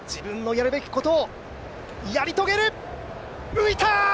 浮いたー！